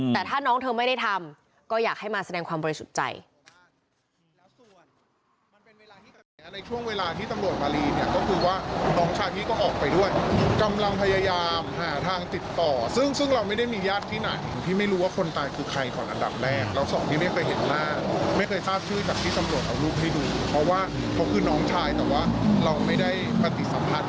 แต่ถ้าน้องเธอไม่ได้ทำก็อยากให้มาแสดงความบริสุทธิ์ใจ